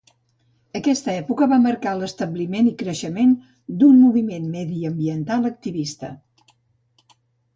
Aquesta època va marcar l'establiment i creixement d'un moviment mediambiental activista.